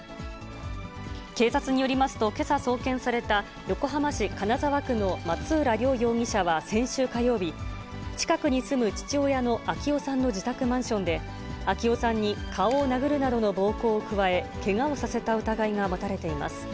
警察によりますと、けさ送検された横浜市金沢区の松浦亮容疑者は先週火曜日、近くに住む父親の昭男さんの自宅マンションで、昭男さんに顔を殴るなどの暴行を加え、けがをさせた疑いが持たれています。